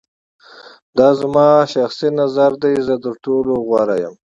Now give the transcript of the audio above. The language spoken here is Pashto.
دا زما شخصی نظر دی. زه تر ټولو غوره یم.